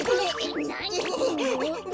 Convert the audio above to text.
なにすんの！？